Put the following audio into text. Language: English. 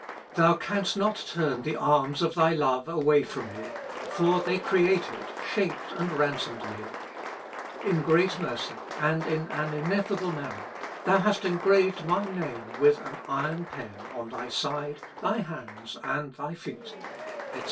Thou canst not turn the arms of thy love away from me, for they created, shaped, and ransomed me. In great mercy, and in an ineffable manner, thou hast engraved my name with an iron pen on thy side, thy hands, and thy feet," etc.